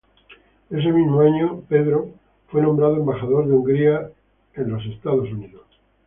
Ese mismo año, Peter fue nombrado embajador de Hungría en los Estados Unidos.